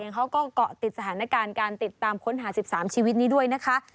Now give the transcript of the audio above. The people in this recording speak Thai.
เขาก็เกาะติดสถานการณ์การติดตามค้นหา๑๓ชีวิตนี้ด้วยนะคะ